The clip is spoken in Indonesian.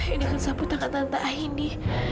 ini kan sapu tangan tante aini